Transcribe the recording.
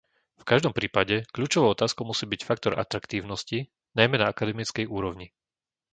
V každom prípade, kľúčovou otázkou musí byť faktor atraktívnosti, najmä na akademickej úrovni.